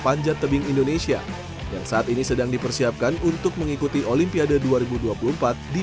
panjat tebing indonesia yang saat ini sedang dipersiapkan untuk mengikuti olimpiade dua ribu dua puluh empat di